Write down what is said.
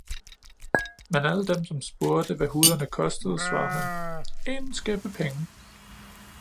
Men alle dem, som spurgte, hvad huderne kostede, svarede han: "en skæppe penge."